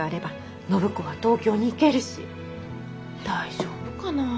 大丈夫かなぁ。